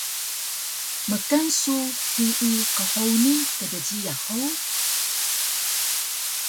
Mkan su hiyi qhuni kdjiyax hug?